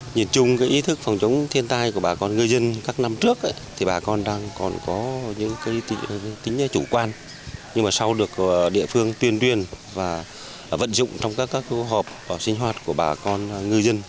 nhìn chung ý thức phòng chống thiên tai của bà con ngư dân các năm trước bà con còn có những tính chủ quan nhưng sau được địa phương tuyên tuyên và vận dụng trong các hộp sinh hoạt của bà con ngư dân